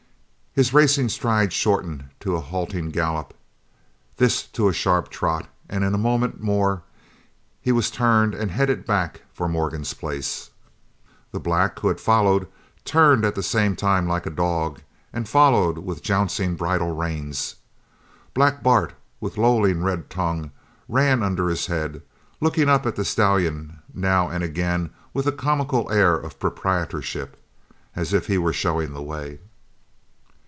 His racing stride shortened to a halting gallop, this to a sharp trot, and in a moment more he was turned and headed back for Morgan's place. The black, who had followed, turned at the same time like a dog and followed with jouncing bridle reins. Black Bart, with lolling red tongue, ran under his head, looking up to the stallion now and again with a comical air of proprietorship, as if he were showing the way.